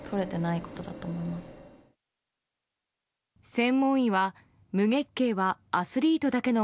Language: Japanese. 専門医は無月経はアスリートだけの